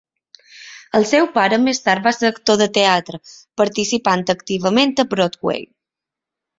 El seu pare més tard va ser actor de teatre, participant activament a Broadway.